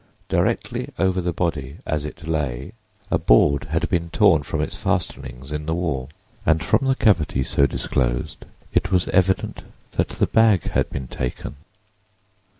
Directly over the body as it lay, a board had been torn from its fastenings in the wall, and from the cavity so disclosed it was evident that the bag had been taken.